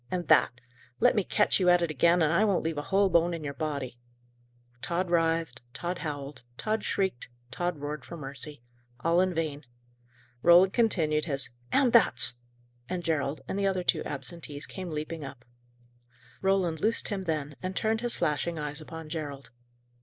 and that! Let me catch you at it again, and I won't leave a whole bone in your body!" Tod writhed; Tod howled; Tod shrieked; Tod roared for mercy. All in vain. Roland continued his "and thats!" and Gerald and the other two absentees came leaping up. Roland loosed him then, and turned his flashing eyes upon Gerald.